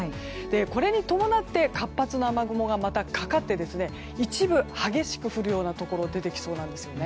これに伴って活発な雨雲がまたかかって一部、激しく降るようなところが出てきそうです。